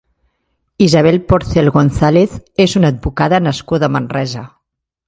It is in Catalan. Isabel Porcel González és una advocada nascuda a Manresa.